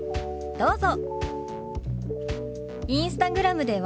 どうぞ。